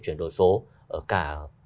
chuyển đổi số ở cả